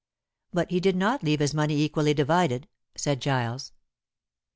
"But he did not leave his money equally divided," said Giles.